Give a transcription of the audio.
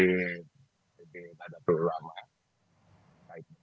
pdi pada perlu lama